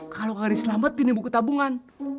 kalau gak diselamatin ya buku tabungan